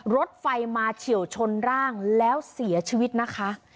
รถไฟมาเฉียวชนร่างแล้วเสียชีวิตนะคะ